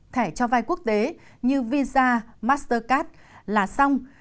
thẻ cho vai quốc tế như visa mastercard là xong